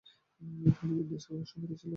তিনি বিদ্যাসাগরের সহপাঠী ছিলেন।